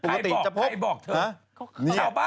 ใครบอกเถอะ